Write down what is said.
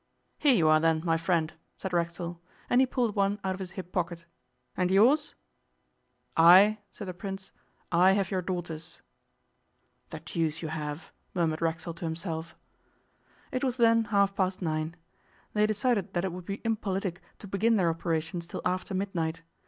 'Here you are, then, my friend,' said Racksole, and he pulled one out of his hip pocket. 'And yours?' 'I,' said the Prince, 'I have your daughter's.' 'The deuce you have!' murmured Racksole to himself. It was then half past nine. They decided that it would be impolitic to begin their operations till after midnight.